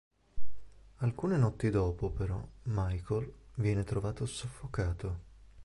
Alcune notti dopo però Michael viene trovato soffocato.